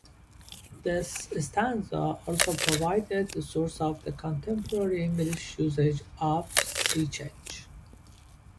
This stanza also provided the source of the contemporary English usage of "sea change".